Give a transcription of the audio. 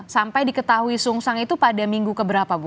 sampai diketahui sungsang itu pada minggu keberapa bu